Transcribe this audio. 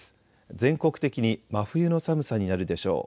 全国的に真冬の寒さになるでしょう。